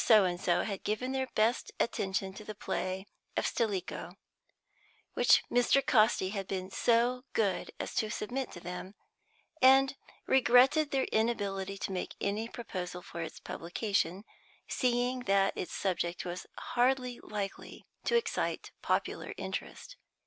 So and so had given their best attention to the play of "Stilicho," which Mr. Casti had been so good as to submit to them, and regretted their inability to make any proposal for its publication, seeing that its subject was hardly likely to excite popular interest.